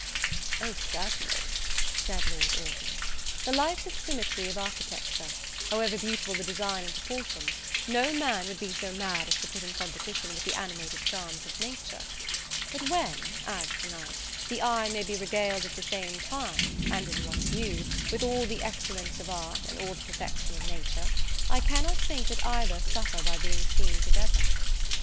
"O, certainly," said Lord Orville, "the lifeless symmetry of architecture, however beautiful the design and proportion, no man would be so mad as to put in competition with the animated charms of nature: but when, as to night, the eye may be regaled at the same time, and in one view, with all the excellence of art, and all the perfection of nature, I cannot think that either suffer by being seen together."